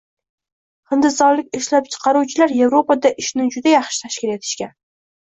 Hindistonlik ishlab chiqaruvchilar Yevropada ishni juda yaxshi tashkil etishgan